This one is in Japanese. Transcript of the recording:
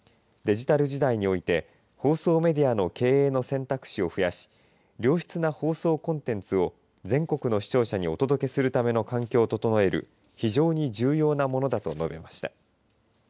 デジタル時代において放送メディアの経営の選択肢を増やし良質な放送コンテンツを全国の視聴者にお届けするための環境を整える非常に重要なものだと述べました。